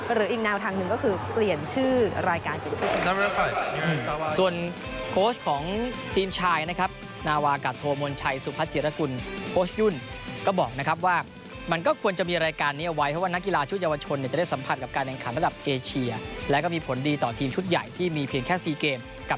หรืออีกแนวทางนึงคือเปลี่ยนชื่อรายการเป็นชื่อ